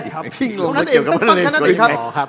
คุณท่านเองสักคุณท่านเองครับ